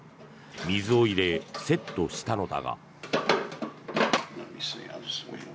水を入れ、セットしたのだが。